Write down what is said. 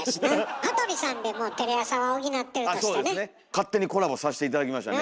勝手にコラボさして頂きましたね